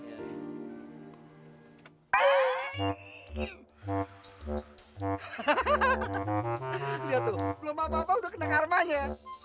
iya tuh belum apa apa udah kena karmanya